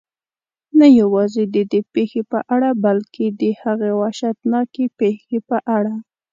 نه یوازې ددې پېښې په اړه بلکې د هغې وحشتناکې پېښې په اړه.